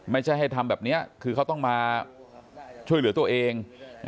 ไม่ใช่ให้ทำแบบนี้คือเขาต้องมาช่วยเหลือตัวเอง